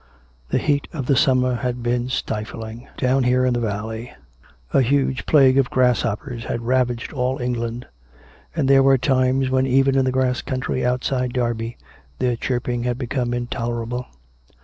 The heat of the summer had been stifling, down here in the valley; a huge plague of grasshoppers had ravaged all England; and there were times when even in the grass country outside Derby, their chirping had become intolerable.